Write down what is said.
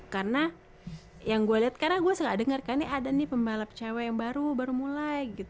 karena yang gue liat karena gue gak denger kan nih ada nih pembalap cewek yang baru baru mulai gitu